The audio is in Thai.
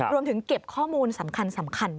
รวมถึงเก็บข้อมูลสำคัญไว้ด้วยนะครับ